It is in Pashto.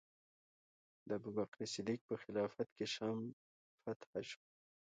د ابوبکر صدیق په خلافت کې شام فتح شو.